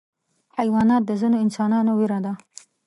حیوانات د ځینو انسانانو ویره ده.